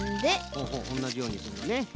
ほうほうおんなじようにすんのね。